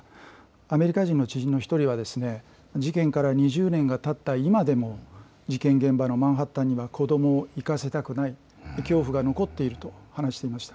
アメリカ人の知人の人は事件から２０年がたった今でも事件現場のマンハッタンには子どもを行かせたくない恐怖が残っていると話していました。